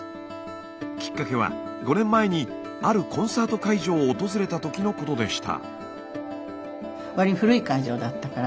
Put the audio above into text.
きっかけは５年前にあるコンサート会場を訪れたときのことでした。